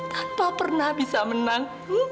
tanpa pernah bisa menang